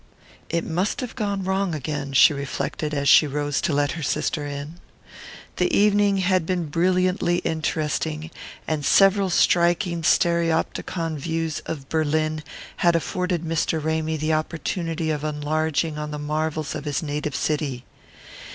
"It must have gone wrong again," she reflected as she rose to let her sister in. The evening had been brilliantly interesting, and several striking stereopticon views of Berlin had afforded Mr. Ramy the opportunity of enlarging on the marvels of his native city.